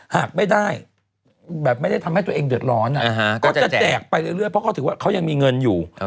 หากไม่ได้แบบไม่ได้ทำให้ตัวเองเดือดร้อนก็จะแจกไปเรื่อยเพราะเขาถือว่าเขายังมีเงินอยู่